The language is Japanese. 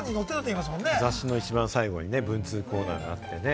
雑誌の一番最後に文通コーナーが昔、あってね